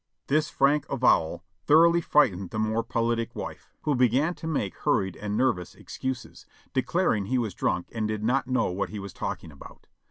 This frank avowal thoroughly frightened the more politic wife, 4/0 JOHNNY RKB and BILLY YANK who began to make hurried and nervous excuses, declaring" he was drunk and did not know what he was talking about.